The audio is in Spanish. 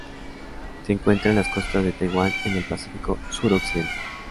Se encuentra en las costas de Taiwán y en el Pacífico suroccidental.